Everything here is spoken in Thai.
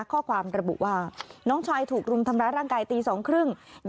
ข้อความระบุว่าน้องชายถูกรุมทำร้ายร่างกายตี๒๓๐